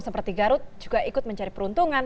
seperti garut juga ikut mencari peruntungan